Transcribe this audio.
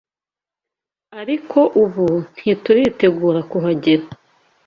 ariko ubu ntituritegura kuhagera